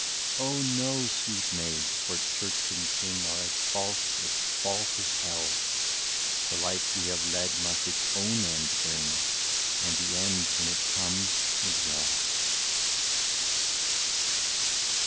" Oh ! no, sweet maid, for Church and King Are as false as false as Hell ; The life we have led must its own end bring. And the end when it comes is well."